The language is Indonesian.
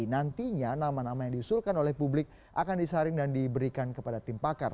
nantinya nama nama yang diusulkan oleh publik akan disaring dan diberikan kepada tim pakar